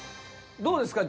どうですか？